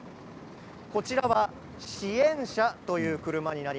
こちらは支援車という車です。